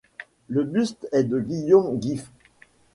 Le buste est de Guillaume Geefs.